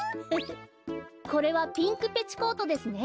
これはピンクペチコートですね。